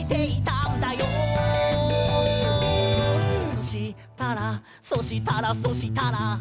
「そしたら、そしたら、そしたら」